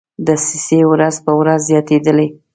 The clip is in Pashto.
دسیسې ورځ په ورځ زیاتېدلې.